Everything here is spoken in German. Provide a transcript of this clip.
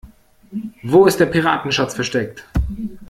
Wo ist der Piratenschatz versteckt?